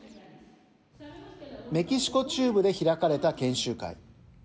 メキシコ中部で開かれた研修会。